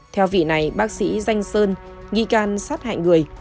theo vị này bác sĩ danh sơn nghi can sát hại người